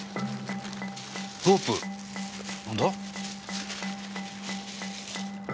ロープ何だ？